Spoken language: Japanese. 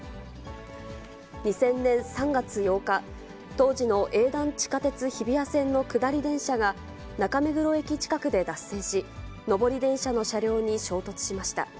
２０００年３月８日、当時の営団地下鉄日比谷線の下り電車が中目黒駅近くで脱線し、上り電車の車両に衝突しました。